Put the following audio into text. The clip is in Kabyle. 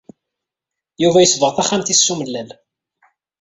Yuba yesbeɣ taxxamt-is s umellal.